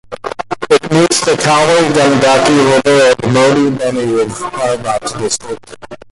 It meets the Kali Gandaki River at Modi Beni of Parbat District.